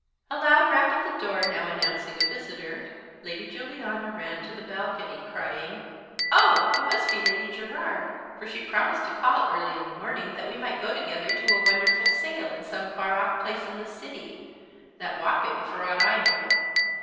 A loud rap at the door now announcing a visitor, Lady Juliana ran to the balcony, crying, "Oh, it must be Lady Gerard, for she promised to call early in the morning, that we might go together to a wonderful sale in some far off place in the city at Wapping, for aught I know.